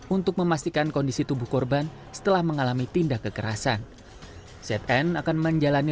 untuk memastikan kondisi tubuh korban setelah mengalami tindak kekerasan zn akan menjalani